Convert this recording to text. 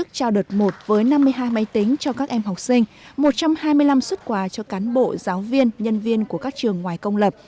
cho các em học sinh một trăm hai mươi năm xuất quà cho cán bộ giáo viên nhân viên của các trường ngoài công lập